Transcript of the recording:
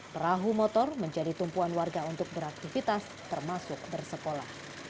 perahu motor menjadi tumpuan warga untuk beraktivitas termasuk bersekolah